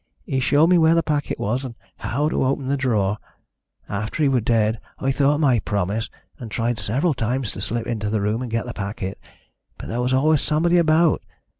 He showed me where the packet was, and how to open the drawer. After he was dead I thought of my promise, and tried several times to slip into the room and get the packet, but there was always somebody about.